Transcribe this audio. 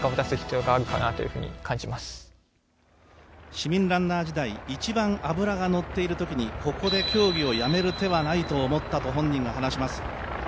市民ランナー時代、一番脂が乗っているときにここで競技をやめる手はないと思ったと本人が話します。